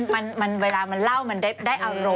มันเวลามันเล่ามันได้อารมณ์